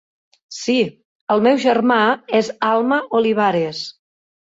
Sí, el meu germà és Alma Olivares.